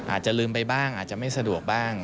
อาจจะลืมไปบ้างอาจจะไม่สะดวกบ้าง